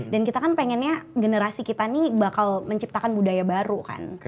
dan kita kan pengennya generasi kita nih bakal menciptakan budaya baru kan